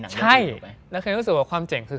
ใช่แล้วเคยรู้สึกว่าความเจ๋งคือ